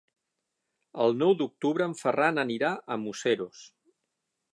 El nou d'octubre en Ferran anirà a Museros.